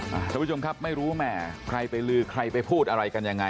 คุณผู้ชมครับไม่รู้ว่าแหมใครไปลือใครไปพูดอะไรกันยังไง